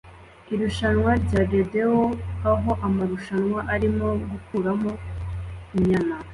Irushanwa rya rodeo aho amarushanwa arimo gukuramo inyana